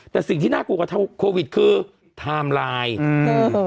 แต่สิ่งที่น่ากลัวกว่าโควิดคือไทม์ไลน์อืม